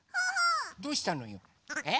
どうしたのよ？え？